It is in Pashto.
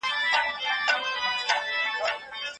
هګۍ د پروتین ښه سرچینه ده.